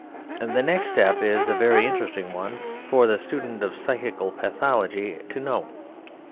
The next step is a very interesting one for the student of psychical pathology to note.